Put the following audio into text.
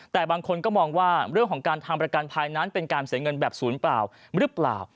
แต่บางคนก็มองว่าเรื่องของการทำประกันภัยนั้นเป็นการเสียเงินแบบศูนย์เปล่าหรือเปล่า